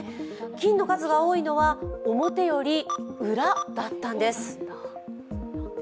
菌の数が多いのは、表より裏だったんです。